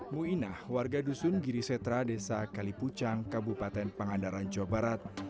muinah warga dusun girisetra desa kalipucang kabupaten pangandaran jawa barat